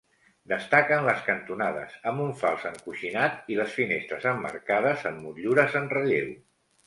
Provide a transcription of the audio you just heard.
Destaquen les cantonades amb un fals encoixinat i les finestres emmarcades amb motllures en relleu.